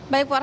baik bu arhan